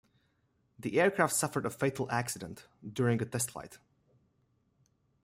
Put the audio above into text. The aircraft suffered a fatal accident during a test flight.